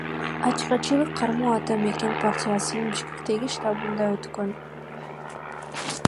Ачкачылык кармоо Ата мекен партиясынын Бишкектеги штабында өткөн.